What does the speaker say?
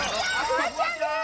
フワちゃんです